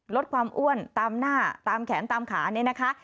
ลดความอ้วนตามหน้าตามแขนตามขาเนี่ยนะคะ